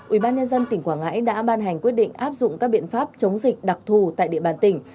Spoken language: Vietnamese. ubnd tỉnh quảng ngãi đã ban hành quyết định áp dụng các biện pháp chống dịch đặc thù tại địa bàn tỉnh